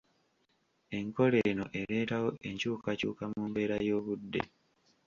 Enkola eno ereetawo enkyukakyuka mu mbeera y'obudde.